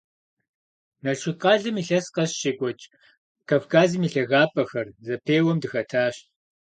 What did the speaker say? Налшык къалэм илъэс къэс щекӀуэкӀ «Кавказым и лъагапӀэхэр» зэпеуэм дыхэтащ.